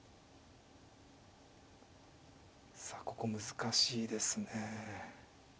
さあここ難しいですね。